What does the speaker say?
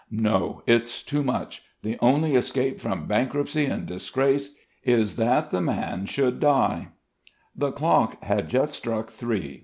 No, it's too much! The only escape from bankruptcy and disgrace is that the man should die." The clock had just struck three.